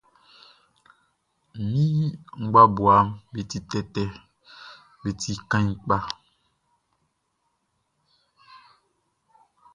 Mi ngbabuaʼm be ti tɛtɛ, be ti kaan kpa.